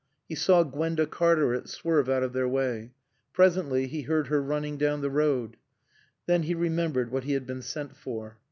He saw Gwenda Cartaret swerve out of their way. Presently he heard her running down the road. Then he remembered what he had been sent for.